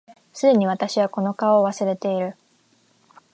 既に私はこの顔を忘れている